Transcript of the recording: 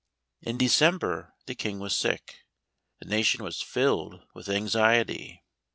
In December the King was sick. The nation was filled with anxiety.